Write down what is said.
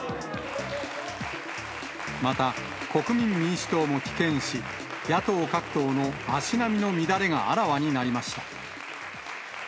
また、国民民主党も棄権し、野党各党の足並みの乱れがあらわになりました。